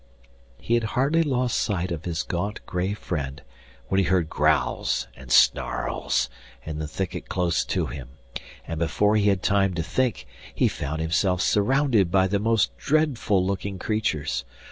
He had hardly lost sight of his gaunt grey friend when he heard growls and snarls in the thicket close to him, and before he had time to think he found himself surrounded by the most dreadful looking creatures.